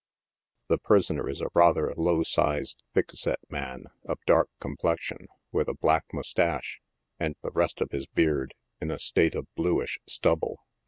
The prisoner is a rather low sized, thick set man, of dark complex ion, with a black moustache, and the rest of his beard in a state of bluish stubble.